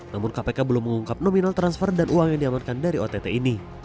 namun kpk belum mengungkap nominal transfer dan uang yang diamankan dari ott ini